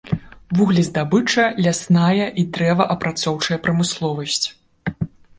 Вуглездабыча, лясная і дрэваапрацоўчая прамысловасць.